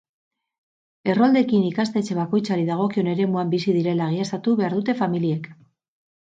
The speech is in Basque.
Erroldekin ikastetxe bakoitzari dagokion eremuan bizi direla egiaztatu behar dute familiek.